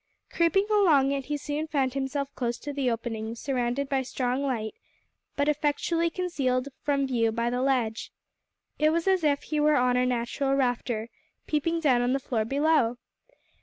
Creeping along it he soon found himself close to the opening, surrounded by strong light, but effectually concealed from view by the ledge. It was as if he were on a natural rafter, peeping down on the floor below!